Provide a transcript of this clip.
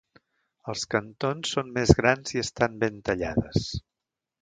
Als cantons, són més grans i estan ben tallades.